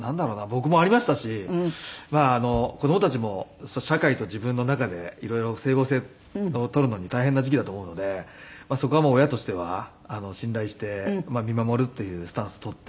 僕もありましたし子供たちも社会と自分の中で色々整合性を取るのに大変な時期だと思うのでそこは親としては信頼して見守るというスタンスを取って。